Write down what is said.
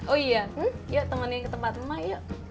oh iya yuk temanin ke tempat rumah yuk